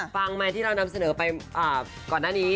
ฟังไหมที่เรานำเสนอไปก่อนหน้านี้